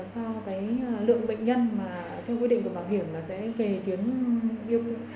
sau cái lượng bệnh nhân mà theo quy định của bảo hiểm là sẽ về tuyến